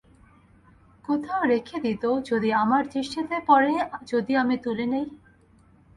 কোথাও রেখে দিত, যদি আমার দৃষ্টিতে পড়ে, যদি আমি তুলে নিই।